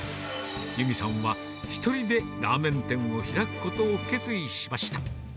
裕美さんは１人でラーメン店を開くことを決意しました。